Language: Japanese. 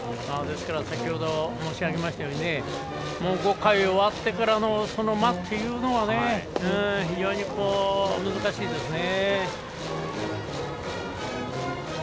ですから先ほど申し上げましたとおり５回終わってからの間というのは非常に難しいですね。